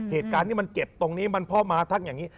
เหตุการณ์นี้มันเจ็บตรงนี้มันเพราะมาทั้งอย่างนี้